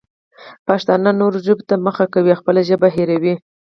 پښتانه نورو ژبو ته مخه کوي او خپله ژبه هېروي.